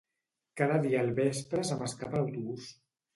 Cada dia al vespre se m'escapa l'autobús.